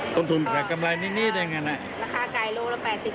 จัดกำไรนิดนี่ได้ยังไงแหละ